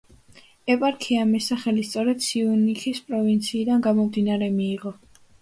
ეპარქიამ ეს სახელი სწორედ სიუნიქის პროვინციიდან გამომდინარე მიიღო.